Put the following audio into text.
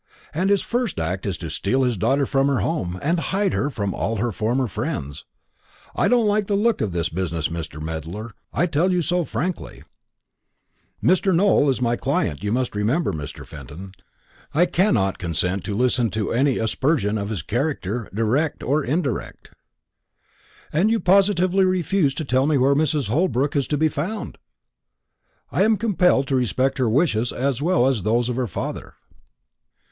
"And his first act is to steal his daughter from her home, and hide her from all her former friends. I don't like the look of this business, Mr. Medler; I tell you so frankly." "Mr. Nowell is my client, you must remember, Mr. Fenton. I cannot consent to listen to any aspersion of his character, direct or indirect." "And you positively refuse to tell me where Mrs. Holbrook is to be found?" "I am compelled to respect her wishes as well as those of her father."